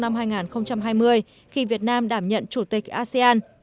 quân sự trong năm hai nghìn hai mươi khi việt nam đảm nhận chủ tịch asean